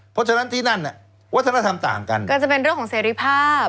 เพราะฉะนั้นที่นั่นน่ะวัฒนธรรมต่างกันก็จะเป็นเรื่องของเสรีภาพ